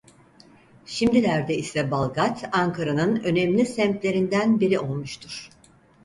Şimdilerde ise Balgat Ankara'nın önemli semtlerinden biri olmuştur.